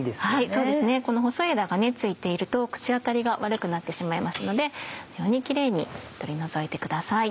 そうですねこの細い枝が付いていると口当たりが悪くなってしまいますのでこのようにキレイに取り除いてください。